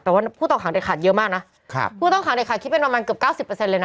แต่ว่าผู้ต้องขังเด็กขาดเยอะมากนะครับผู้ต้องขังเด็กขาดคิดเป็นประมาณเกือบเก้าสิบเปอร์เซ็นเลยนะ